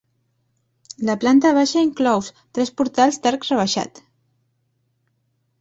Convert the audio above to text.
La planta baixa inclous tres portals d'arc rebaixat.